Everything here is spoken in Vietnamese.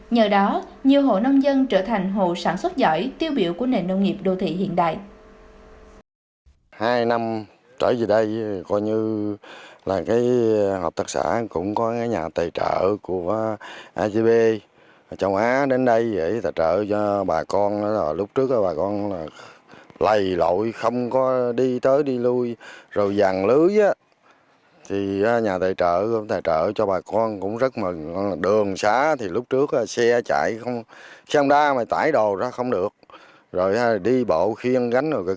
nhờ đó nhiều hộ nông dân trở thành hộ sản xuất giỏi tiêu biểu của nền nông nghiệp đô thị hiện đại